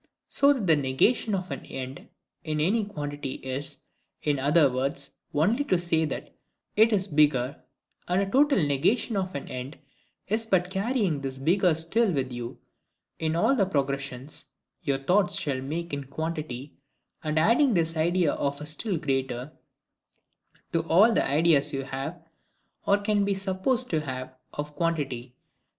So that the negation of an end in any quantity is, in other words, only to say that it is bigger; and a total negation of an end is but carrying this bigger still with you, in all the progressions your thoughts shall make in quantity; and adding this IDEA OF STILL GREATER to ALL the ideas you have, or can be supposed to have, of quantity.